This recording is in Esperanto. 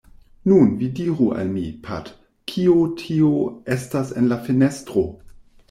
“Nun, vi diru al mi, Pat, kio tio estas en la fenestro?”